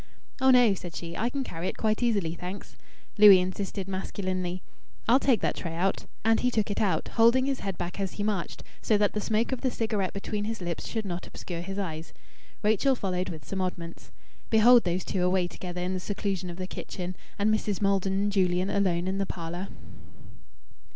"Oh no!" said she. "I can carry it quite easily, thanks." Louis insisted masculinely "I'll take that tray out." And he took it out, holding his head back as he marched, so that the smoke of the cigarette between his lips should not obscure his eyes. Rachel followed with some oddments. Behold those two away together in the seclusion of the kitchen; and Mrs. Maldon and Julian alone in the parlour!